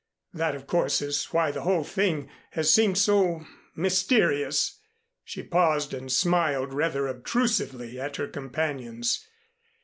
That, of course, is why the whole thing has seemed so mysterious." She paused and smiled rather obtrusively at her companions.